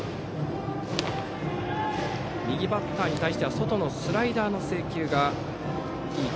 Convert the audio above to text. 右バッターに対しては外のスライダーの制球がいい。